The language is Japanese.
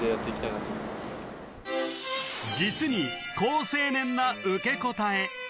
実に好青年な受け答え